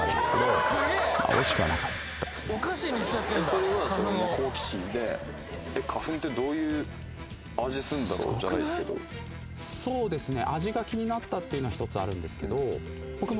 それは好奇心で花粉ってどういう味すんだろう？じゃないですけどそうですね